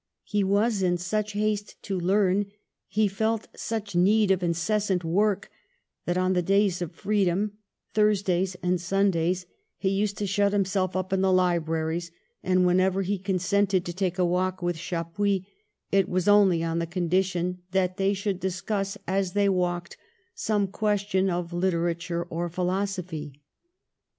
He was in such haste to learn, he felt such need of in cessant work, that on the days of freedom, Thursdays and Sundays, he used to shut him self up in the libraries, and, whenever he con sented to take a walk with Chappuis, it was only on the condition that they should discuss, as they walked, some question of literature or philosophy.